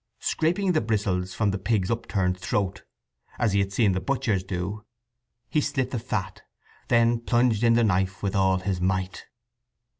Scraping the bristles from the pig's upturned throat, as he had seen the butchers do, he slit the fat; then plunged in the knife with all his might.